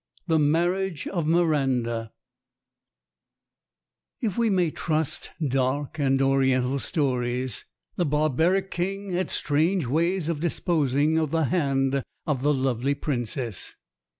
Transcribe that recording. Ill THE MARRIAGE OF MIRANDA IF we may trust dark and oriental stories, the bar baric king had strange ways of disposing of the hand of the lovely Princess.